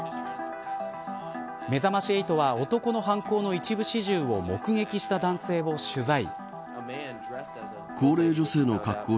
めざまし８は男の犯行の一部始終を目撃した男性を取材。